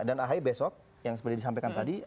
dan ahaye besok yang seperti disampaikan tadi